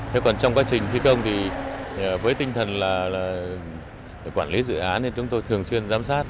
thế còn trong quá trình thi công thì với tinh thần là quản lý dự án thì chúng tôi thường xuyên giám sát